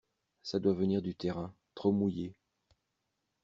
Ça doit venir du terrain, trop mouillé.